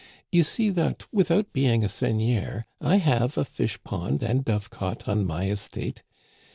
You see that, without being a seigneur, I have a fish pond and dove cote on my estate.